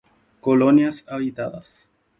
Colonias habilitadas.